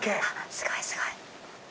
すごいすごい。